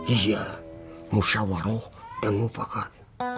iya musyawaroh dan mufakat